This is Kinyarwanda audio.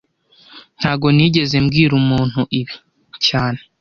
Ntago nigeze mbwira umuntu ibi cyane